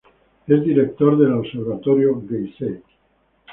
Es Director del Observatorio Geisei.